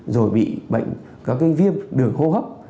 rồi bị bệnh có cái viêm đường hô hấp